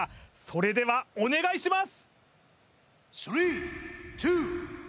それではお願いします